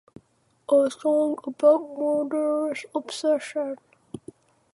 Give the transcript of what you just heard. A song about murderous obsession.